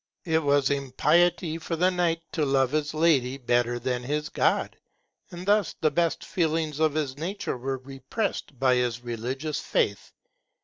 It was impiety for the knight to love his Lady better than his God; and thus the best feelings of his nature were repressed by his religious faith.